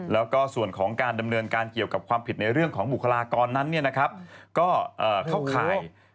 แล้วก็ส่วนของการดำเนินการเกี่ยวกับความผิดในเรื่องของบุคลากรนั้นก็เข้าข่าย